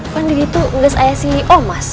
kan di situ belas ayah si omas